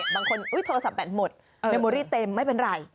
โทรศัพท์แบตหมดเมมโอรี่เต็มไม่เป็นไร